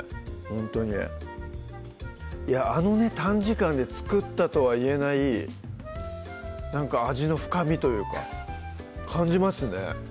ほんとにあの短時間で作ったとはいえない味の深みというか感じますね